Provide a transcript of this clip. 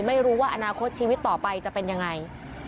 ไม่รู้ว่าอนาคตชีวิตต่อไปจะเป็นยังไง